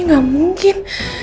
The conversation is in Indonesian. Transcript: ini gak mungkin